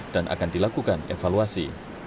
dan akan dilakukan evaluasi